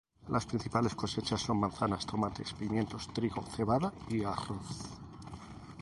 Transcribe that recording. Las principales cosechas son manzanas, tomates, pimientos, trigo, cebada y arroz.